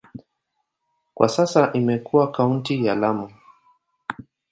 Kwa sasa imekuwa kaunti ya Lamu.